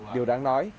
điều đáng nói